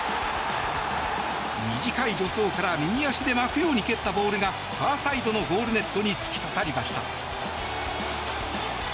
短い助走から右足で巻くように蹴ったボールがファーサイドのゴールネットに突き刺さりました。